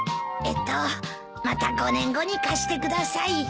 えっとまた５年後に貸してください。